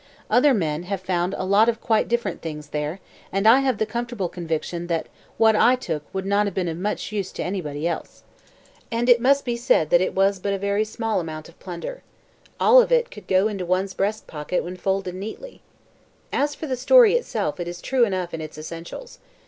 Other men have found a lot of quite different things there and I have the comfortable conviction that what I took would not have been of much use to anybody else. And it must be said that it was but a very small amount of plunder. All of it could go into ones breast pocket when folded neatly. As for the story itself it is true enough in its essentials.